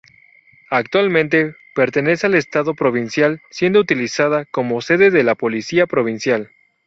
Actualmente pertenece al estado provincial, siendo utilizada como sede de la Policía Provincial.